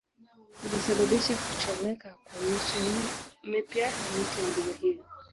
Ulisababisha kuchomeka kwa miche mipya ya miti ya mbuga hiyo